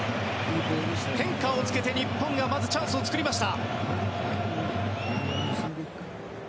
変化をつけて、日本がまずチャンスを作りました。